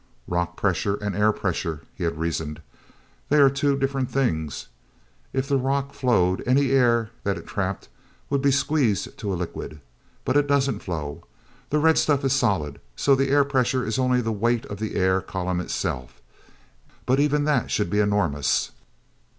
"Rock pressure and air pressure," he had reasoned; "they are two different things. If the rock flowed, any air that it trapped would be squeezed to a liquid. But it doesn't flow—that red stuff is solid; so the air pressure is only the weight of the air column itself. But even that should be enormous."